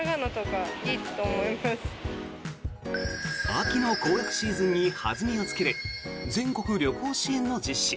秋の行楽シーズンに弾みをつける全国旅行支援の実施。